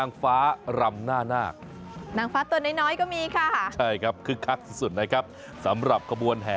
นี่นางฟ้าด้วยมั้ยคะ